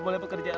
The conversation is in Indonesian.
ibu tidak ada